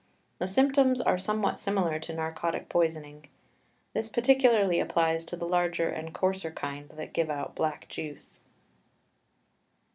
The symptoms are somewhat similar to narcotic poisoning. This particularly applies to the larger and coarser kind that give out black juice.